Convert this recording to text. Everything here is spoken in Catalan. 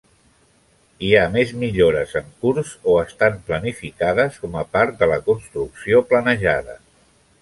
Hi ha més millores en curs o estan planificades com a part de la construcció planejada.